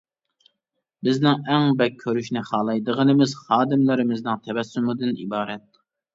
بىزنىڭ ئەڭ بەك كۆرۈشنى خالايدىغىنىمىز خادىملىرىمىزنىڭ تەبەسسۇمىدىن ئىبارەت.